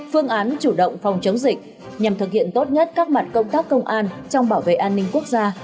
phương án chủ động phòng chống dịch nhằm thực hiện tốt nhất các mặt công tác công an trong bảo vệ an ninh quốc gia